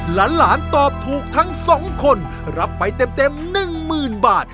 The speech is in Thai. หลานหลานตอบถูกทั้งสองคนรับไปเต็ม๑หมื่นบาท